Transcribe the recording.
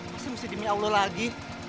pasti mesti demi allah lagi